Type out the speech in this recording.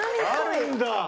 あるんだ。